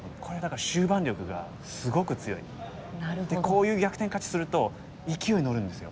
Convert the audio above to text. こういう逆転勝ちすると勢い乗るんですよ。